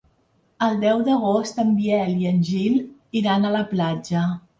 El deu d'agost en Biel i en Gil iran a la platja.